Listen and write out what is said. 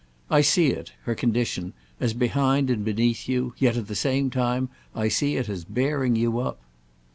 I see it, her condition, as behind and beneath you; yet at the same time I see it as bearing you up."